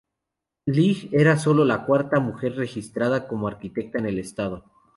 League era solo la cuarta mujer registrada como arquitecta en el estado.